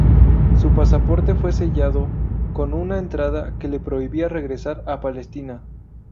Su pasaporte fue sellado con una entrada que le prohibía regresar a Palestina.